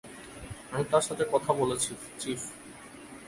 আমি তার সাথে কথা বলেছি, চিফ।